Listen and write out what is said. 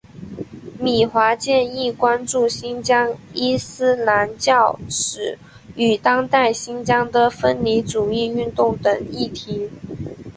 米华健亦关注新疆伊斯兰教史与当代新疆的分离主义运动等议题。